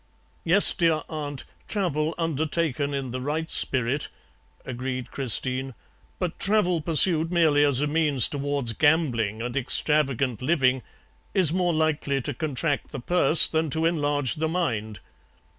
"'Yes, dear aunt, travel undertaken in the right spirit,' agreed Christine; 'but travel pursued merely as a means towards gambling and extravagant living is more likely to contract the purse than to enlarge the mind.